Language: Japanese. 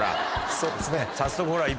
そうですね。